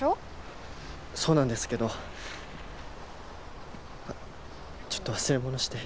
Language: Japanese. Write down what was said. そうなんですけどちょっと忘れ物して。